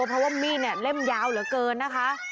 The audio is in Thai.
เพราะว่ามีดเนี่ยเล่มยาวเหลือเกินนะคะ